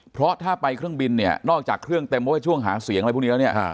เพราะถ้าไปเครื่องบินเนี่ยนอกจากเครื่องเต็มเพราะว่าช่วงหาเสียงอะไรพวกนี้แล้วเนี่ย